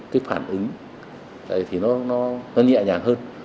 cái phản ứng thì nó nhẹ nhàng hơn